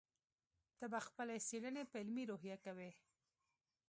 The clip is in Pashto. ته به خپلې څېړنې په علمي روحیه کوې.